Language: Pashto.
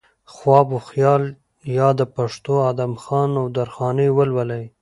خواب وخيال يا د پښتو ادم خان و درخانۍ ولولئ